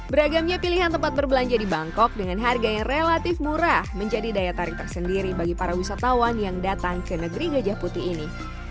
beragamnya pilihan tempat berbelanja di bangkok dengan harga yang relatif murah menjadi daya tarik tersendiri bagi para wisatawan yang datang ke negeri gajah putih ini